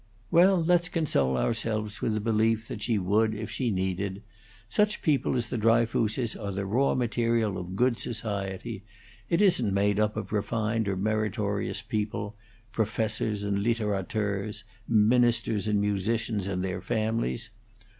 "Well, let's console ourselves with the belief that she would, if she needed. Such people as the Dryfooses are the raw material of good society. It isn't made up of refined or meritorious people professors and litterateurs, ministers and musicians, and their families.